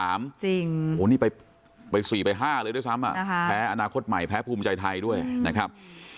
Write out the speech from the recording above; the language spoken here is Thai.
อันนี้ไปไป๔ไป๕เลยด้วยซ้ำอะแพ้อนาคตใหม่แพ้ปลูกคุณกับใจไทยด้วยนะครับ